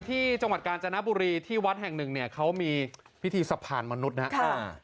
ที่จังหวัดกาญ๙๐บุรีที่วัดแห่งหนึ่งเขามีสะพานมนุษย์นะค่ะ